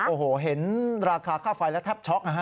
โอ้โหเห็นราคาข้าวไฟแล้วทับช็อก